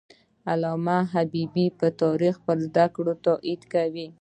علامه حبیبي د تاریخ پر زده کړه تاکید کاوه.